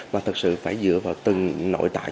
mà thật sự phải dựa vào từng nội tại